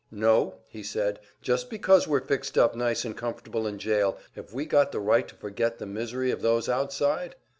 "No," he said. "Just because we're fixed up nice and comfortable in jail, have we got the right to forget the misery of those outside?"